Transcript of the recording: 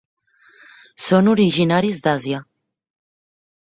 Són originaris d'Àsia.